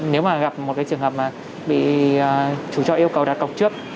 nếu mà gặp một cái trường hợp mà bị chủ cho yêu cầu đặt cọc trước